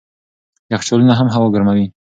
یخچالونه هم هوا ګرموي.